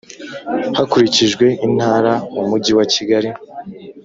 Hakurikijwe intara Umujyi wa Kigali